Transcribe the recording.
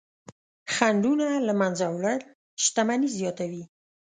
خنډونه له منځه وړل شتمني زیاتوي.